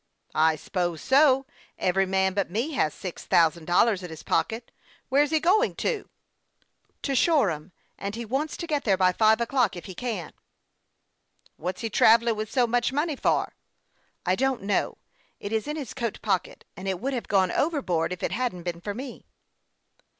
''I suppose so; every man but me has six thou sand dollars in his pocket. Where's he going to ?"" To Shoreham, and he wants to get there by five o'clock, if he can." " What's he travelling with so much money for ?"" I don't know. It is in his coat pocket, and it would have gone overboard if it hadn't been for me."